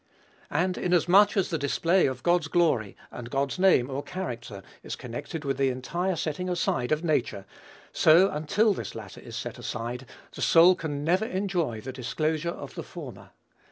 And, inasmuch as the display of God's glory, and God's name or character, is connected with the entire setting aside of nature, so, until this latter is set aside, the soul can never enjoy the disclosure of the former.